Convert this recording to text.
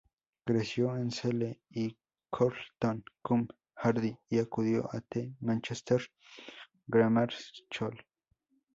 Creció en Sale y Chorlton-cum-Hardy, y acudió a The Manchester Grammar School.